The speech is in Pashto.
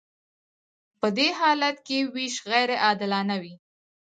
په دې حالت کې ویش غیر عادلانه وي.